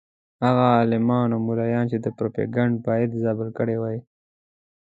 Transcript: هغه عالمان او ملایان چې دا پروپاګند باید زایل کړی وای.